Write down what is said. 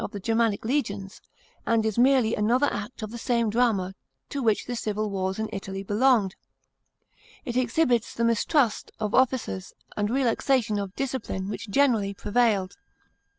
365 the Germanic legions, and is merely another act of the same drama to which the civil wars in Italy belonged. It exhibits the mistrust of officers and relaxation of discipline which generally prevailed.